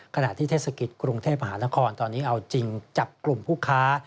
ขณะที่เทศกิจกรุงเทพมหานครตอนนี้เอาจริงจับกลุ่มผู้ค้า